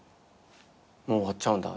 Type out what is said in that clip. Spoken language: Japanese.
もう終わっちゃうんだ。